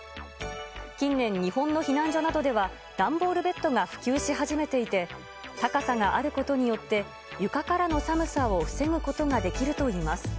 近年、日本の避難所などでは、段ボールベッドが普及し始めていて、高さがあることによって、床からの寒さを防ぐことができるといいます。